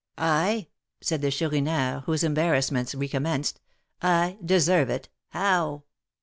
"I," said the Chourineur, whose embarrassments recommenced, "I deserve it! How?"